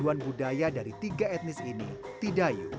tujuan budaya dari tiga etnis ini tidayu